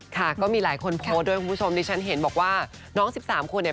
ค่ะก็มีหลายคนโพสต์ด้วยคุณผู้ชมดิฉันเห็นบอกว่าน้อง๑๓คนเนี่ย